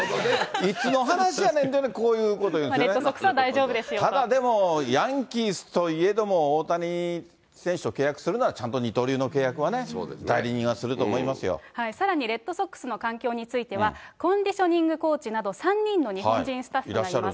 いつの話やねんっていう、こういレッドソックスは大丈夫ですただ、でもヤンキースといえども、大谷選手と契約するなら、ちゃんと、二刀流の契約はね、代さらにレッドソックスの環境については、コンディショニングコーチなど、３人の日本人スタッフがいます。